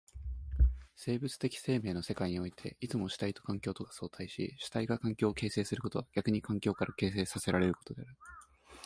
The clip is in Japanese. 生物的生命の世界においてはいつも主体と環境とが相対立し、主体が環境を形成することは逆に環境から形成せられることである。